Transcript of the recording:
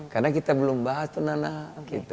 karena kita belum bahas tuh nana